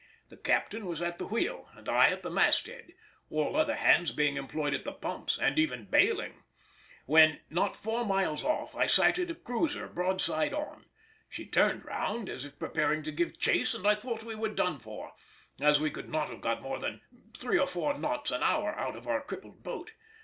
The captain was at the wheel, and I at the mast head (all other hands being employed at the pumps, and even baling), when, not four miles off, I sighted a cruiser broadside on. She turned round as if preparing to give chase, and I thought we were done for, as we could not have got more than three or four knots an hour out of our crippled boat.